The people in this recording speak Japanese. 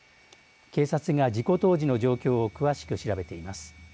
警察が、事故当時の状況を詳しく調べています。